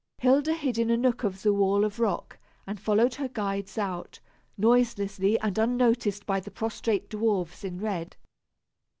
Hilda hid in a nook of the wall of rock, and followed her guides out, noiselessly and unnoticed by the prostrate dwarfs in red.